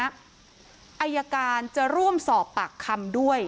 อายการจะร่วมสอบปากคำด้วย